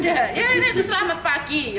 ya ini selamat pagi